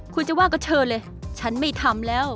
คุณจะว่าก็เชิญเลยฉันไม่ทำแล้ว